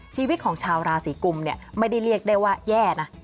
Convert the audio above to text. ชีวิตของชาวราศีกุมเนี่ยไม่ได้เรียกได้ว่าแย่นะ